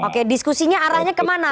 oke diskusinya arahnya kemana